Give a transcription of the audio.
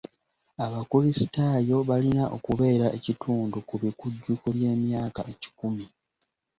Abakrisitaayo balina okubeera ekitundu ku bikujjuko by'emyaka ekikumi.